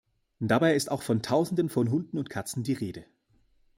Dabei ist auch von Tausenden von Hunden und Katzen die Rede.